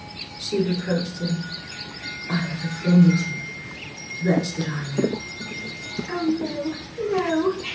she reproached him. "I have offended you! Wretch that I am—" "Oh, no, no!"